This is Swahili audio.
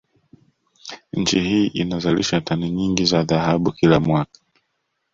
Nchi hii inazalisha tani nyingi za dhahabu kila mwaka